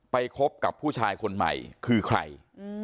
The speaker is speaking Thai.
คบกับผู้ชายคนใหม่คือใคร